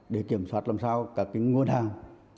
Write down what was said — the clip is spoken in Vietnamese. để kiểm soát làm sao các nguồn hàng